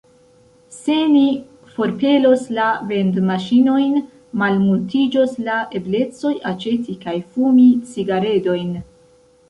Se ni forpelos la vendmaŝinojn, malmultiĝos la eblecoj aĉeti kaj fumi cigaredojn.